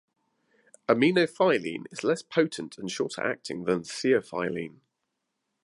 Aminophylline is less potent and shorter-acting than theophylline.